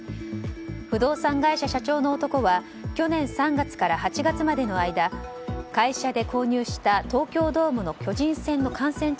不動産会社社長の男は去年３月から８月までの間会社で購入した東京ドームの巨人戦の観戦